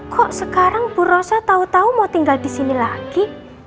kok sekarang bu rosa tau tau mau tinggal disini lagi